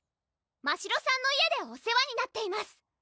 ましろさんの家でお世話になっています！